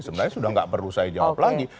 sebenarnya sudah tidak perlu saya jawab lagi